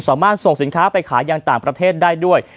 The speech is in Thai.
ส่งสินค้าไปขายอย่างต่างประเทศได้ด้วย